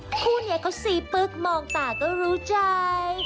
คู่นี้เขาซีปึ๊กมองตาก็รู้ใจ